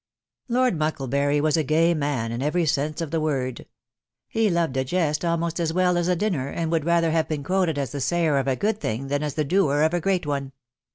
Lord Mucklebury was a gay man in every sense of the word. He loved a jest almost as well as a dinner, and would rather have been quoted as the sayer of a good thing tKan M the doer of a great one.